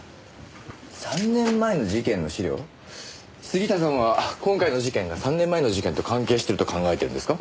杉下さんは今回の事件が３年前の事件と関係してると考えてるんですか？